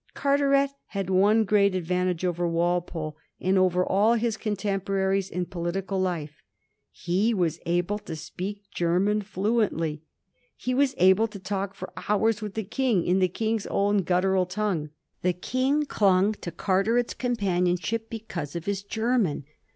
Carteret had one great advantage over Walpole and over all his contemporaries in political life. He was able to speak German fluently ; he was able to talk for hours with the King in the King's own gut tural tongue. The King clung to Carteret's com panionship because of his German.